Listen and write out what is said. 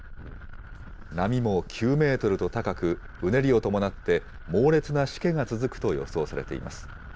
波も９メートルと高く、うねりを伴って、猛烈なしけが続くと予想されています。